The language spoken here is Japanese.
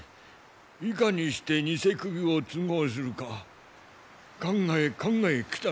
いかにして偽首を都合するか考え考え来たのじゃが。